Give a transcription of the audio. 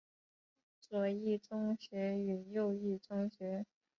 左翼宗学与右翼宗学。